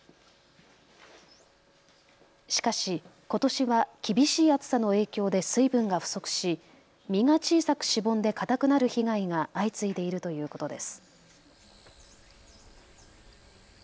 しかし、ことしは厳しい暑さの影響で水分が不足し、実が小さくしぼんで硬くなる被害が相次いでいるということです。